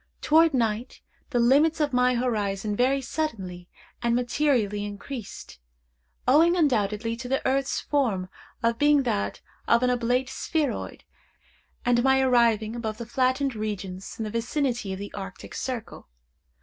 Toward night the limits of my horizon very suddenly and materially increased, owing undoubtedly to the earth's form being that of an oblate spheroid, and my arriving above the flattened regions in the vicinity of the Arctic circle.